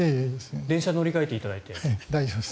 電車乗り換えていただいて。